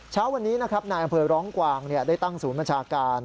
เช้าวันนี้นะครับนายอำเภอร้องกวางได้ตั้งศูนย์บัญชาการ